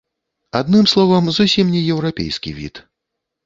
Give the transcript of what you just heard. Адным словам, зусім не еўрапейскі від.